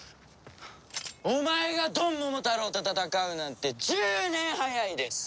お前がドンモモタロウと戦うなんて１０年早いです！